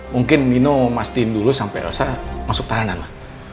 mungkin nino mastiin dulu sampai elsa masuk tahanan ma